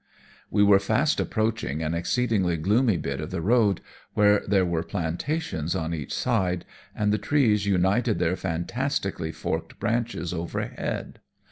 We were fast approaching an exceedingly gloomy bit of the road where there were plantations on each side, and the trees united their fantastically forked branches overhead.